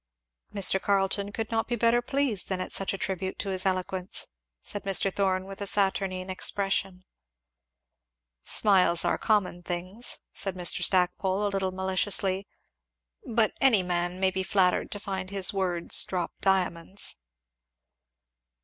"Mr. Carleton could not be better pleased than at such a tribute to his eloquence," said Mr. Thorn with a saturnine expression. "Smiles are common things," said Mr. Stackpole a little maliciously; "but any man may be flattered to find his words drop diamonds."